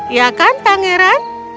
ya kan pangeran